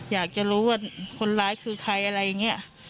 อยากจะรู้ว่าคนร้ายคือใครอะไรอย่างนี้